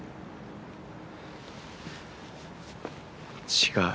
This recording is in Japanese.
違う。